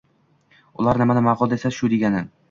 Ular nimani ma‘qul desa – shu degani.